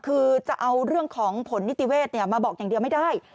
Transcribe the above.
คือจะเอาเรื่องของผลนิติเวศมาบอกอย่างเดียวไม่ได้